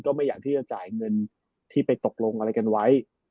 ไม่อยากที่จะจ่ายเงินที่ไปตกลงอะไรกันไว้